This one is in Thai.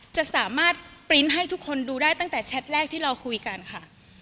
จะสามารถปริ้นต์ให้ทุกคนดูได้ตั้งแต่แชทแรกที่เราคุยกันค่ะ